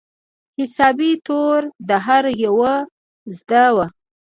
حسابي توره د هر يوه زده وه.